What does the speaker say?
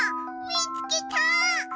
みつけた！